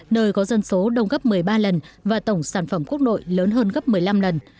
nơi có dân số đông gấp một mươi ba lần và tổng sản phẩm quốc nội lớn hơn gấp một mươi năm lần